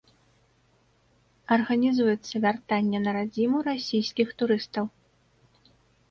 Арганізуецца вяртанне на радзіму расійскіх турыстаў.